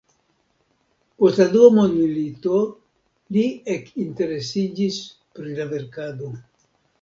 Post la dua mondmilito li ekinteresiĝis pri la verkado.